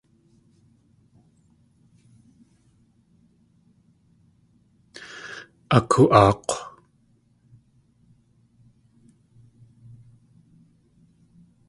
Akoo.aak̲w.